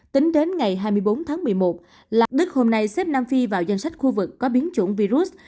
tính đến ngày hai mươi bốn tháng một mươi một đức hôm nay xếp nam phi vào danh sách khu vực có biến chủng virus